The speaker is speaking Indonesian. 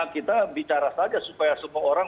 kita bicara saja supaya semua orang